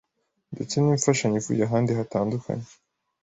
ndetse n'imfashanyo ivuye ahandi hatandukanye,